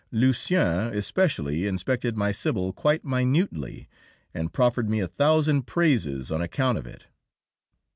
Lucien, especially, inspected my "Sibyl" quite minutely, and proffered me a thousand praises on account of it.